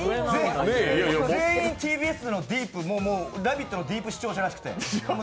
全員、ＴＢＳ「ラヴィット！」のディープ視聴者らしくて。